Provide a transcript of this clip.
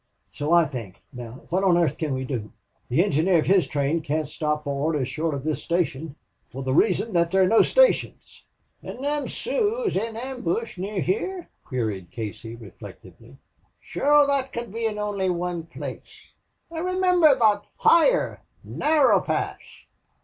"So I think.... Now what on earth can we do? The engineer of his train can't stop for orders short of this station, for the reason that there are no stations." "An' thim Sooz is in ambush near here?" queried Casey, reflectively. "Shure thot could only be in wan place. I rimimber thot higher, narrer pass."